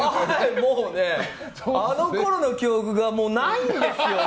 もうね、あのころの記憶がないんですよね。